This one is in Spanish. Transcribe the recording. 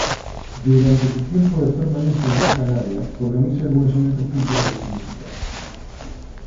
Durante su tiempo de permanencia en Gran Canaria, organiza algunos eventos culturales y musicales.